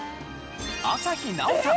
朝日奈央さん